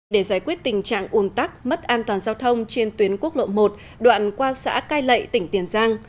để giải quyết tình trạng ủn tắc mất an toàn giao thông trên tuyến quốc lộ một đoạn qua xã cai lậy tỉnh tiền giang